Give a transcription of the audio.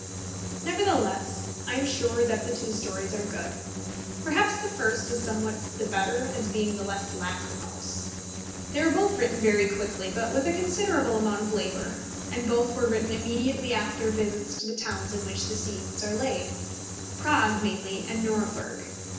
Nevertheless I am sure that the two stories are good. Perhaps the first is somewhat the better, as being the less lachrymose. They were both written very quickly, but with a considerable amount of labour; and both were written immediately after visits to the towns in which the scenes are laid, Prague, mainly, and Nuremberg.